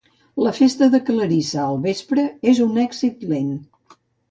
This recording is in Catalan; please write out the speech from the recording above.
La festa de Clarissa al vespre és un èxit lent.